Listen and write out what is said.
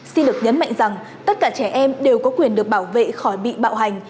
xin được nhấn mạnh rằng tất cả trẻ em đều có quyền được bảo vệ khỏi bị bạo hành